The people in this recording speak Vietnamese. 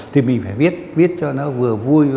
thì mình phải viết cho nó vừa vui